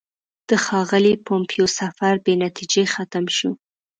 د ښاغلي پومپیو سفر بې نتیجې ختم شو.